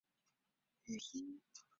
语音带来的改变